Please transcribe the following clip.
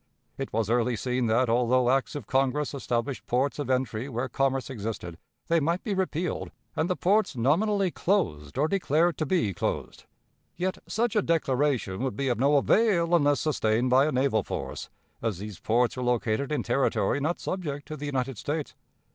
It was early seen that, although acts of Congress established ports of entry where commerce existed, they might be repealed, and the ports nominally closed or declared to be closed; yet such a declaration would be of no avail unless sustained by a naval force, as these ports were located in territory not subject to the United States.